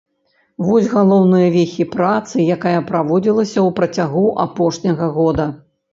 Вось галоўныя вехі працы, якая праводзілася ў працягу апошняга года.